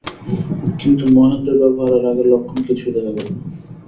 কিন্তু মহেন্দ্রের ব্যবহারে রাগের লক্ষণ কিছুই দেখা গেল না।